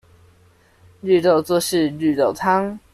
綠豆做事綠豆湯